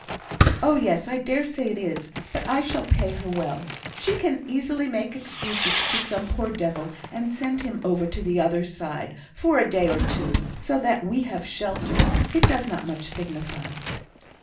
"Oh, yes I dare say it is; but I shall pay her well; she can easily make excuses to some poor devil, and send him over to the other side; and, for a day or two, so that we have shelter, it does not much signify."